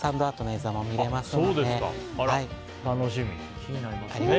楽しみ。